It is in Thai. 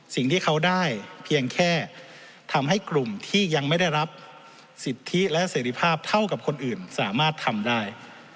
สิ่งที่เขาได้เพียงแค่ทำให้กลุ่มที่ยังไม่ได้รับสิทธิและเสรีภาพเท่ากับคนอื่นสามารถทำได้